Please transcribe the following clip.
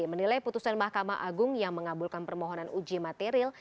menilai putusan mahkamah agung yang mengabulkan permohonan uji materi